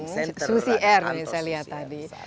susi air yang saya lihat tadi